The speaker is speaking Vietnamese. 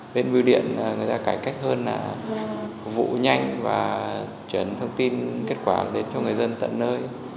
bên biêu điện người ta cải cách hơn vụ nhanh và chuyển thông tin kết quả đến cho người dân tận nơi